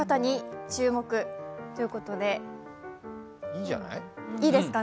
いいじゃない？